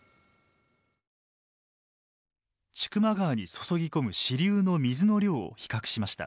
千曲川に注ぎ込む支流の水の量を比較しました。